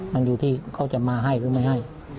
มันอยู่ที่เขาจะมาให้หรือไม่ให้